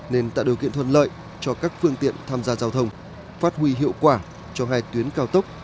nên tạo điều kiện thuận lợi cho các phương tiện tham gia giao thông phát huy hiệu quả cho hai tuyến cao tốc